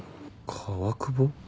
川久保？